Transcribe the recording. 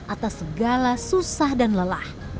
atas segala susah dan lelah